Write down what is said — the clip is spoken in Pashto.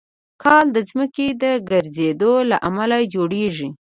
کال د ځمکې د ګرځېدو له امله جوړېږي.